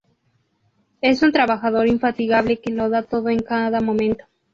Es un trabajador infatigable que lo da todo en cada momento.